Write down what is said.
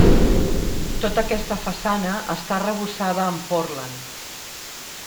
Tota aquesta façana està arrebossada amb Portland.